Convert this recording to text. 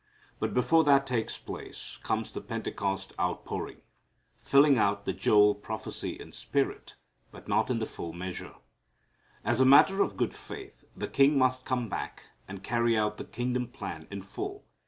But before that takes place, comes the Pentecost outpouring, filling out the Joel prophecy in spirit, but not in the full measure. As a matter of good faith the King must come back and carry out the kingdom plan in full.